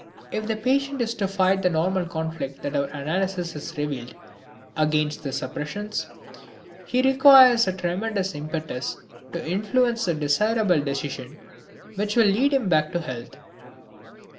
If the patient is to fight the normal conflict that our analysis has revealed against the suppressions, he requires a tremendous impetus to influence the desirable decision which will lead him back to health.